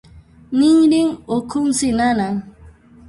Ninrin ukhunsi nanan.